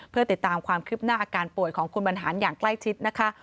เพื่อติดตามความคืบหน้าอาการป่วยของคุณบรรหารอย่างใกล้ชิดนะคะ